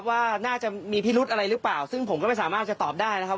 ว่าน่าจะมีพิรุธอะไรหรือเปล่าซึ่งผมก็ไม่สามารถจะตอบได้นะครับ